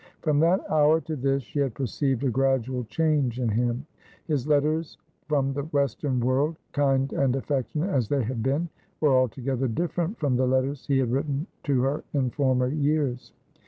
From that hour to this she had perceived a gradual change in him. His letters from the Western world, kind and affectionate as they had been, were altogether different from the letters he had written to her in former years.